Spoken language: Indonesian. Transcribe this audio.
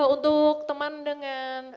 untuk teman dengan